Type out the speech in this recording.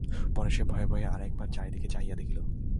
পরে সে ভয়ে ভয়ে আর একবার চারিদিকে চাহিয়া দেখিল।